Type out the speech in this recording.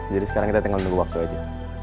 jadi sekarang kita tinggal tunggu waktu aja